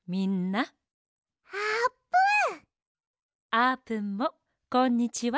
あーぷんもこんにちは。